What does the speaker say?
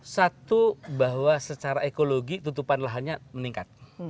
satu bahwa secara ekologi tutupan lahannya meningkat